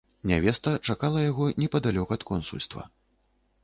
Нявеста чакала яго непадалёк ад консульства.